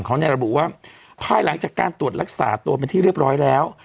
เขาเนี่ยระบุว่าภายหลังจากการตรวจรักษาตัวเป็นที่เรียบร้อยแล้ว